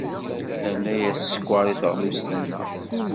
Nerna-as sskeṛ i teɣlust-nneɣ.